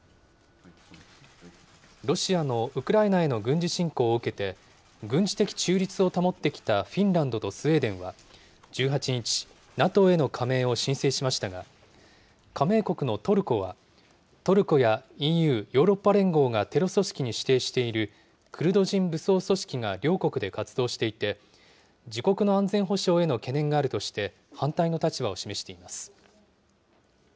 ロシアのウクライナへの軍事侵攻を受けて、軍事的中立を保ってきたフィンランドとスウェーデンは１８日、ＮＡＴＯへの加盟を申請しましたが、加盟国のトルコはトルコやＥＵ・ヨーロッパ連合がテロ組織に指定しているクルド人武装組織が両国で活動していて、自国の安全保障への懸念があるとして、反対の立場を示しています。